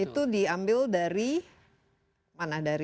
itu diambil dari mana dari